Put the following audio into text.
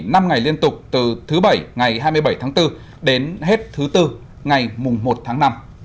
nghỉ năm ngày liên tục từ thứ bảy ngày hai mươi bảy tháng bốn đến hết thứ bốn ngày mùng một tháng năm